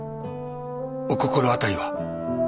お心当たりは？